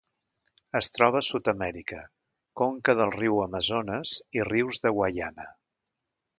Es troba a Sud-amèrica: conca del riu Amazones i rius de Guaiana.